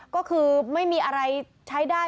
ก็คือไม่มีอะไรใช้ได้